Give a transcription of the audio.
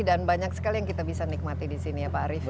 dan banyak sekali yang kita bisa nikmati disini ya pak arief